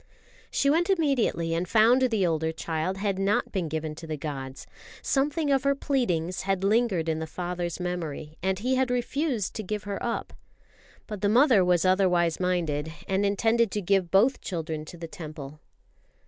She went immediately and found the older child had not been given to the gods. Something of her pleadings had lingered in the father's memory, and he had refused to give her up. But the mother was otherwise minded, and intended to give both children to the Temple.